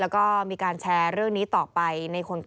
ก็มีการแชร์เรื่องนี้ต่อไป